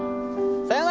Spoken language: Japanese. さようなら！